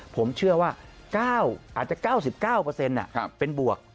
ผมเชื่อว่าอาจจะ๙๙เป็นบวก